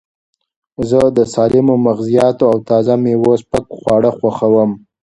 زه د سالمو مغزیاتو او تازه مېوو سپک خواړه خوښوم.